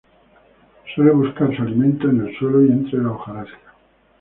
Suele buscar su alimento en el suelo y entre la hojarasca.